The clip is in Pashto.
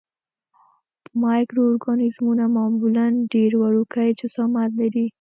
مایکرو ارګانیزمونه معمولاً ډېر وړوکی جسامت لري.